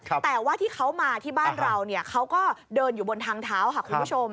แต่ว่าที่เขามาที่บ้านเราเนี่ยเขาก็เดินอยู่บนทางเท้าค่ะคุณผู้ชม